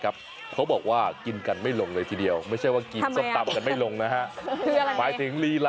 ผมเต้นสนุกขนาดนี้สายย่อขนาดนี้